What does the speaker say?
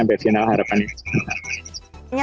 sampai final harapan